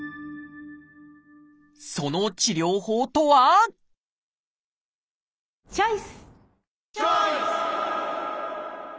その治療法とはチョイス！